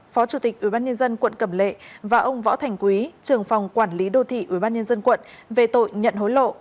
phó chủ tịch ubnd quận cẩm lệ và ông võ thành quý trường phòng quản lý đô thị ubnd quận về tội nhận hối lộ